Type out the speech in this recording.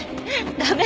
駄目。